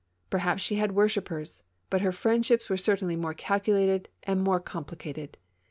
Perhaps she had worshippers, but her friend ships were certainly more calculated and more compli cated.